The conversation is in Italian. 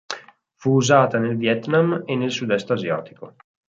Fu usata nel Vietnam e nel sudest asiatico.